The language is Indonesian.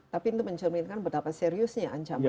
tapi itu mencerminkan betapa seriusnya ancaman ini ya